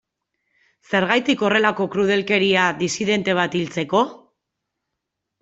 Zergatik horrelako krudelkeria disidente bat hiltzeko?